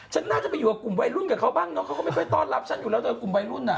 ฉันน่าจะไปอยู่กับกลุ่มวัยรุ่นกับเขาบ้างเนอะเขาก็ไม่ค่อยต้อนรับฉันอยู่แล้วเธอกลุ่มวัยรุ่นอ่ะ